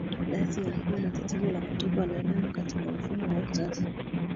Daisy alikuwa na tatizo la kutokwa na damu katika mfumo wa uzazi